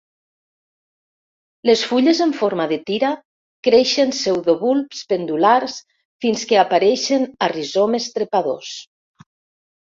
Les fulles en forma de tira creixen pseudobulbs pendulars fins que apareixen a rizomes trepadors.